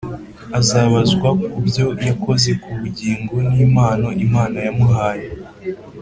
azabazwa ku byo yakoze ku bugingo n'impano Imana yamuhaye.